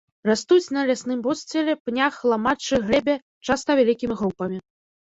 Растуць на лясным подсціле, пнях, ламаччы, глебе, часта вялікім групамі.